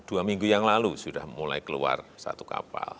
dua minggu yang lalu sudah mulai keluar satu kapal